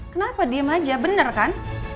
kenapa diem aja bener kan